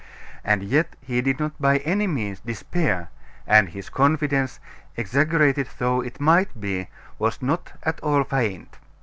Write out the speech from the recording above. And yet he did not by any means despair, and his confidence, exaggerated though it might be, was not at all feigned.